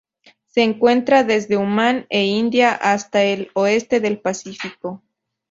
Se encuentra desde Omán e India hasta el oeste del Pacífico.